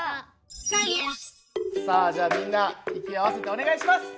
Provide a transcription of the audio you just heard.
さあじゃあみんな息を合わせてお願いします！